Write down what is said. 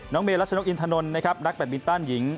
น้องเมลัชนกอินทานนท์นักแบบบินต้านหญิง